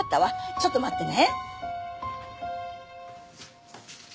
ちょっと待ってね。